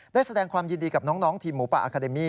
ได้แสดงความยินดีกับน้องทีมหมูป่าอาคาเดมี่